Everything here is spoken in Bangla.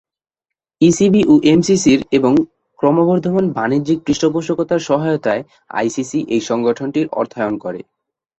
ইসিবি ও এমসিসির এবং ক্রমবর্ধমান বাণিজ্যিক পৃষ্ঠপোষকতার সহায়তায় আইসিসি এই সংগঠনটির অর্থায়ন করে।